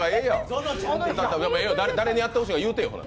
誰にやってほしいかいうてよ。